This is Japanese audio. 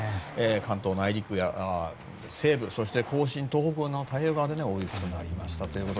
関東内陸や西部そして甲信東北の太平洋側で大雪になりました。